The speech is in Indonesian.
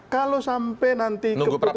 kalau sampai nanti